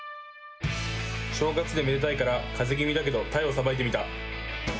正月でめでたいから、かぜ気味だけどタイをさばいてみた。